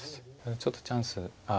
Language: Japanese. ちょっとチャンスあ